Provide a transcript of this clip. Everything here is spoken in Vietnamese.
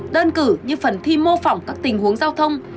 đơn cử như phần thi mô phỏng các tình huống giao thông